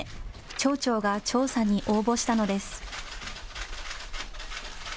町長が調査に応募したのです。